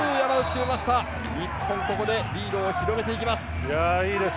日本ここでリードを広げていきます。